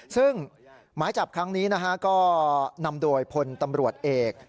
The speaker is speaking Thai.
ซึ่งหมายจับครั้งนี้นะฮะก็นำโดยพลตำรวจเอก